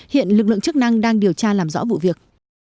hiện lực lượng chức năng đang điều tra làm rõ vụ việc